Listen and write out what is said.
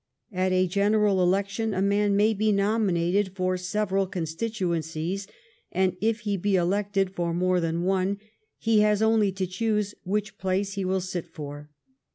At a general election a man may be nominated for several constitu encies, and, if he be elected for more than one, he has only to choose which place he will sit for.